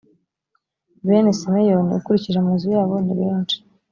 bene simewoni, ukurikije amazu yabo ni benshi.